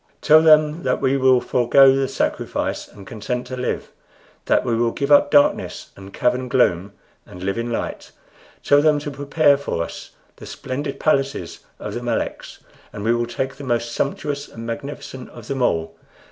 Tell them that we will forego the sacrifice and consent to live; that we will give up darkness and cavern gloom and live in light. Tell them to prepare for us the splendid palaces of the Meleks, for we will take the most sumptuous and magnificent of them all.